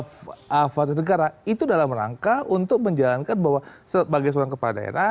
fajar negara itu dalam rangka untuk menjalankan bahwa sebagai seorang kepala daerah